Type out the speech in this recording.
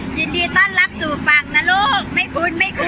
ยินดีต้นรักสู่ฝั่งนะลูก